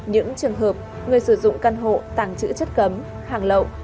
những trường hợp người sử dụng căn hộ tàng trữ chất cấm hàng lậu